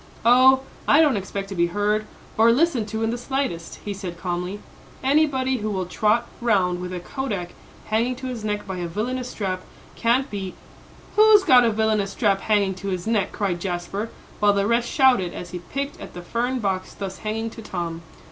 "Oh, I don't expect to be heard, or listened to in the slightest," he said calmly. "Anybody who will trot round with a kodak hanging to his neck by a villanous strap can't be " "Who's got a villanous strap hanging to his neck?" cried Jasper, while the rest shouted as he picked at the fern box thus hanging to Tom.